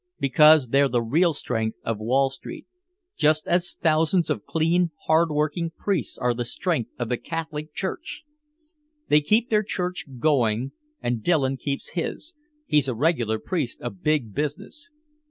Because they're the real strength of Wall Street just as thousands of clean hard working priests are the strength of the Catholic church! They keep their church going and Dillon keeps his he's a regular priest of big business!